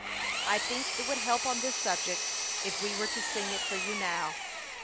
I think it would help on this subject if we were to sing it for you now."